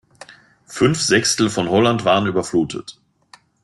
Fünf Sechstel von Holland waren überflutet.